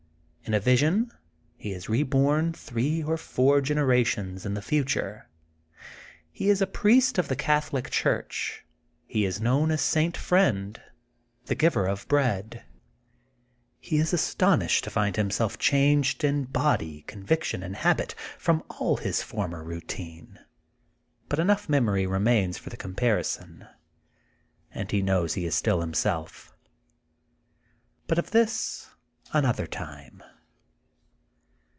. In a vision he is reborn three or four gen erations in the future. He is a priest of the Catholic Church. He is known as St. Friend, the Giver of Bread. He is almost alone in a vast Gothic Cathedral He is astonished to find himself changed in body, conviction, and habit from all his former routine, but enough memory remains for the comparison, and he knows he is still himself. But of this another time.